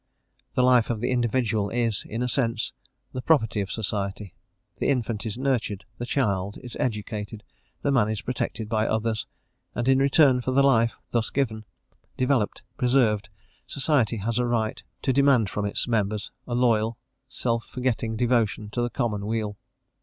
The life of the individual is, in a sense, the property of society. The infant is nurtured, the child is educated, the man is protected by others; and, in return for the life thus given, developed, preserved, society has a right to demand from its members a loyal, self forgetting devotion to the common weal.